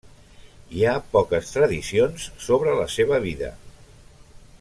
Hi ha poques tradicions sobre la seva vida.